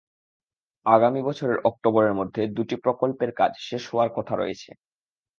আগামী বছরের অক্টোবরের মধ্যে দুটি প্রকল্পের কাজ শেষ হওয়ার কথা রয়েছে।